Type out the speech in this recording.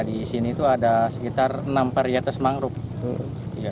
di sini itu ada sekitar enam varietas mangrove